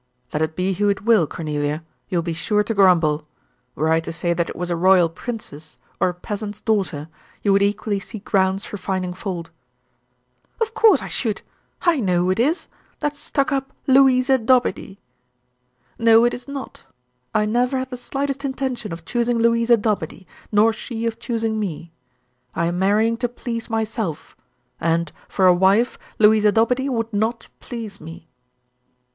"Let it be who it will, Cornelia, you will be sure to grumble. Were I to say that it was a royal princess, or a peasant's daughter, you would equally see grounds for finding fault." "Of course I should. I know who it is that stuck up Louisa Dobede." "No, it is not. I never had the slightest intention of choosing Louisa Dobede, nor she of choosing me. I am marrying to please myself, and, for a wife, Louisa Dobede would not please me."